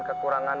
tak ada project